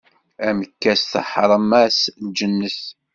Amekkas teḥṛem-as lǧennet.